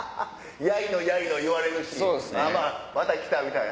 やいのやいの言われるしまた来た！みたいな。